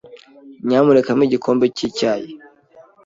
Nyamuneka mpa igikombe cy'icyayi.